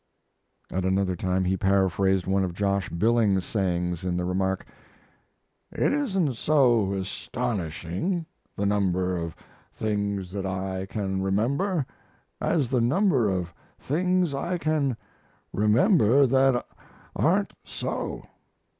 At another time he paraphrased one of Josh Billings's sayings in the remark: "It isn't so astonishing, the number of things that I can remember, as the number of things I can remember that aren't so."